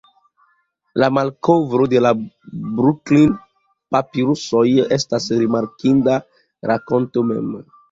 La malkovro de la Bruklin-papirusoj estas rimarkinda rakonto mem.